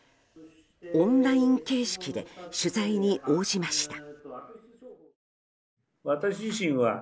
オンライン形式で取材に応じました。